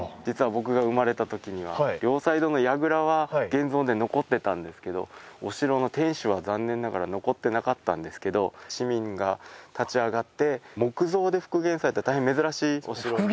実は僕が生まれたときには両サイドの櫓は現存で残ってたんですけどお城の天守は残念ながら残ってなかったんですけど市民が立ち上がって木造で復元されたたいへん珍しいお城。